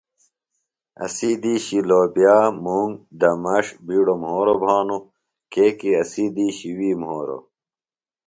اسی دِیشی لوبِیا، مُنگ، دمݜ بِیڈوۡ مھوروۡ بھانوۡ کیۡکی اسی دیشی وی مھورو۔